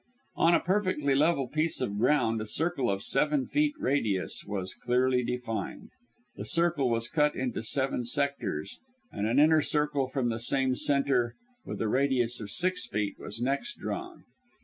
On a perfectly level piece of ground a circle of seven feet radius was clearly defined. This circle was cut into seven sectors; and an inner circle from the same centre and with a radius of six feet was next drawn.